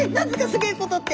すげえことって」。